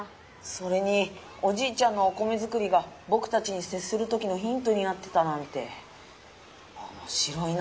それにおじいちゃんのおコメ作りがぼくたちにせっする時のヒントになってたなんておもしろいな。